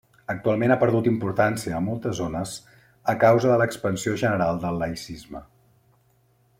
Actualment ha perdut importància a moltes zones a causa de l'expansió general del laïcisme.